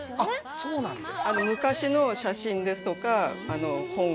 そうなんです。